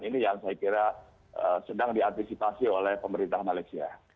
ini yang saya kira sedang diantisipasi oleh pemerintah malaysia